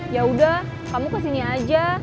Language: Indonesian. yaudah kamu kesini aja